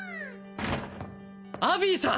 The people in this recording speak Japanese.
アビーさん！